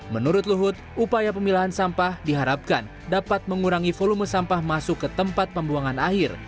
menurut luhut upaya pemilahan sampah diharapkan dapat mengurangi volume sampah masuk ke tempat pembuangan akhir